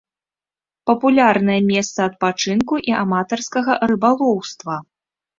Папулярнае месца адпачынку і аматарскага рыбалоўства.